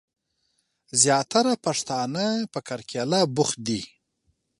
زياتره پښتنه په کرکيله بوخت دي.